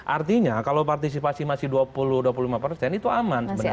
artinya kalau partisipasi masih dua puluh dua puluh lima persen itu aman sebenarnya